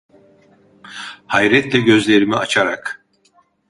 Hayretle gözlerimi açarak: